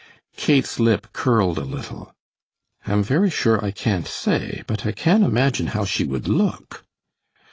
Kate's lip curled a little. "I'm very sure I can't say, but I can imagine how she would look."